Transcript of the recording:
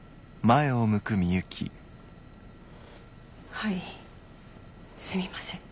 はいすみません。